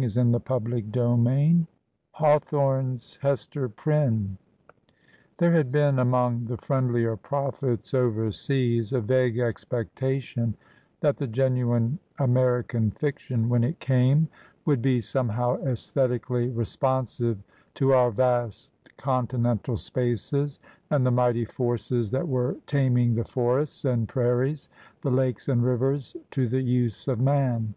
Digitized by VjOOQIC HAWTHORNE'S HESTER PRYNNE THERE had been among the friendlier prophets overseas a vague expectation that the genuine American fiction, when it came, would be somehow aesthetically responsive to our vast continental spaces and the mighty forces that were taming the forests and prairies, the lakes and rivers, to the use of man.